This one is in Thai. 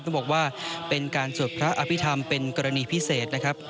ต้องบอกว่าเป็นการสวดพระอภิษฐรรมเป็นกรณีพิเศษนะครับ